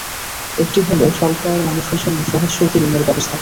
একটি হলো, স্বল্প আয়ের মানুষের জন্য সহজ শর্তে ঋণের ব্যবস্থা করা।